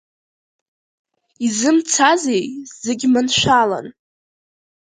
Изымцазеи зегь маншәалан?